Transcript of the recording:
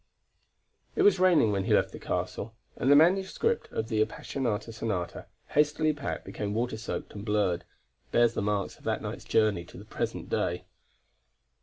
It was raining when he left the castle, and the manuscript of the Appassionata Sonata, hastily packed, became water soaked and blurred; it bears the marks of that night's journey to the present day.